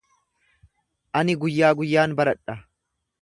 Ani guyyaa guyyaan baradha.